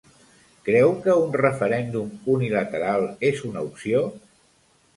Creu que un referèndum unilateral és una opció?